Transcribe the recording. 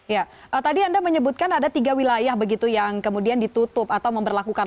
ya tadi anda menyebutkan ada tiga wilayah begitu yang kemudian ditutup atau memperlakukan